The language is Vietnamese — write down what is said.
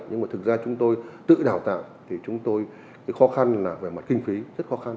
nhưng mà thực ra chúng tôi tự đào tạo thì chúng tôi cái khó khăn là về mặt kinh phí rất khó khăn